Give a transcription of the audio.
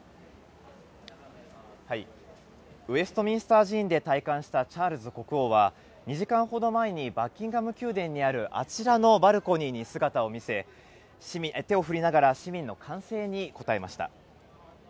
ウェストミンスター寺院で戴冠したチャールズ国王は、２時間ほど前にバッキンガム宮殿にあるあちらのバルコニーに姿を見せ、手を振りながら市民の歓声に応えました。